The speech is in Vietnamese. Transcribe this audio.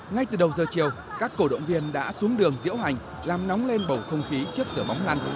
ngay từ đầu giờ chiều các cổ động viên đã xuống đường diễu hành làm nóng lên bầu không khí trước giờ bóng lăn